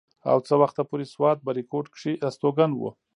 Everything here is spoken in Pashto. او څه وخته پورې سوات بريکوت کښې استوګن وو